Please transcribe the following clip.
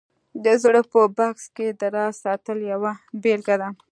د زړه په بکس کې د راز ساتل یوه بېلګه ده